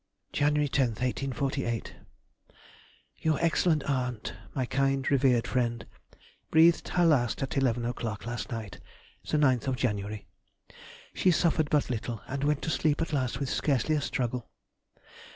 Jan. 10th, 1848.—Your excellent aunt, my kind revered friend, breathed her last at eleven o'clock last night, the 9th of January.... She suffered but little, and went to sleep at last with scarcely a struggle.